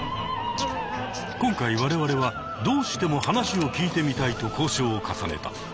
今回我々は「どうしても話を聞いてみたい」と交渉を重ねた。